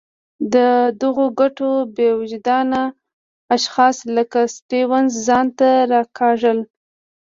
دغو ګټو بې وجدان اشخاص لکه سټیونز ځان ته راکاږل.